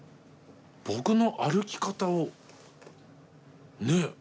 僕の歩き方をねえ